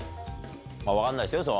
まぁ分かんないっすよ。